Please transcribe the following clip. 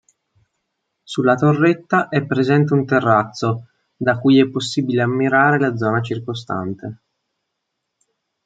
Sulla torretta è presente un terrazzo da cui è possibile ammirare la zona circostante.